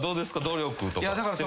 努力とか。